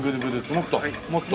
もっと。